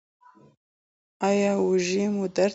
ایا اوږې مو درد کوي؟